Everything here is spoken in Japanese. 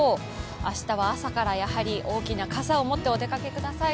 明日は朝から大きな傘を持ってお出かけください。